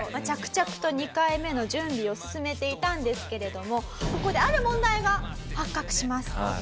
着々と２回目の準備を進めていたんですけれどもここである問題が発覚します。